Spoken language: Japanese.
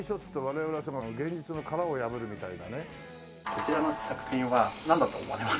こちらの作品はなんだと思われますか？